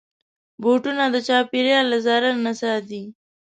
بوټونه د چاپېریال له ضرر نه ساتي.